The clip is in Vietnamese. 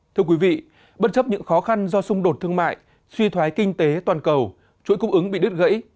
thưa quý vị bất chấp những khó khăn do xung đột thương mại suy thoái kinh tế toàn cầu chuỗi cung ứng bị đứt gãy